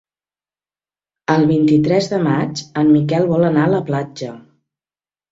El vint-i-tres de maig en Miquel vol anar a la platja.